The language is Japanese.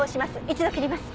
一度切ります。